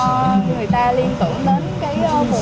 người ta liên tưởng